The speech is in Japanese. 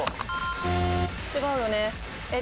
違うよね。